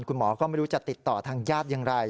คุณหมอก็ไม่รู้จะติดต่อทางญาติอย่างไร